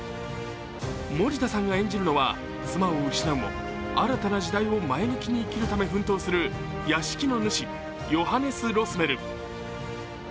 森田さんが演じるのは、妻を失うも前向きに生きるため奮闘する屋敷の主、ヨハネス・ロスメル。